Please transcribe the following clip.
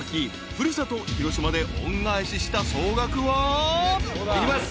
古里広島で恩返しした総額は］いきます。